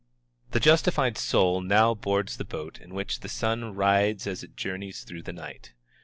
The justified soul now boards the boat in which the sun rides as it journeys through the night.